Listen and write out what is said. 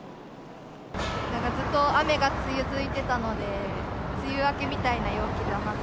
なんかずっと雨が続いてたので、梅雨明けみたいな陽気だなっ